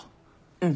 うん。